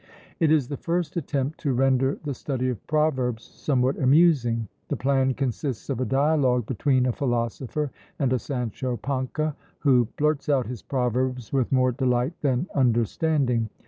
It is the first attempt to render the study of proverbs somewhat amusing. The plan consists of a dialogue between a philosopher and a Sancho Pança, who blurts out his proverbs with more delight than understanding.